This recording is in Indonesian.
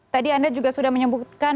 tadi anda juga sudah menyebutkan